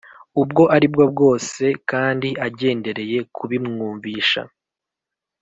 ubwo ari bwo bwose kandi agendereye kubimwumvisha